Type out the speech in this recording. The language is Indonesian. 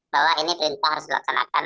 bahwa ini perintah harus dilaksanakan